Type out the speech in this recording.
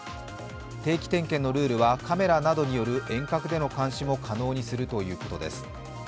定期点検のルールはカメラなどによる遠隔での監視も可能にするということです。